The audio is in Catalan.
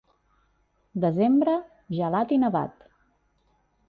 Desembre, gelat i nevat.